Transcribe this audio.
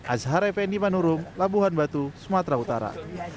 azhar effendi manurung labuhan batu sumatera utara